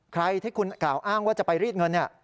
ใครที่คุณกล่าวอ้างว่าจะไปรีดเงินเนี่ย